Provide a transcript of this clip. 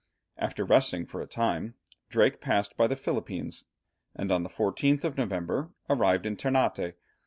After resting for a time, Drake passed by the Philippines, and on the 14th of November arrived at Ternate.